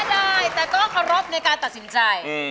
เสียดายแต่ก็ขอรบในการตัดสินใจ